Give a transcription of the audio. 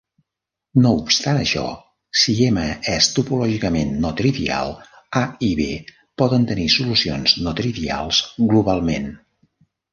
No obstant això, si M és topològicament no trivial, A i B poden tenir solucions no-trivials globalment.